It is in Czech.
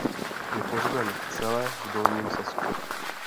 Je pohřben v Celle v Dolním Sasku.